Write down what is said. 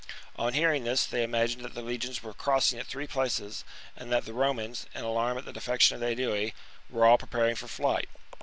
On hearing this, they imagined that the legions were crossing ^t three places, and that the Romans, in alarm at the defection of the Aedui, were all pre paring for flight.